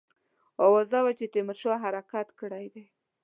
آوازه وه چې تیمورشاه حرکت کړی دی.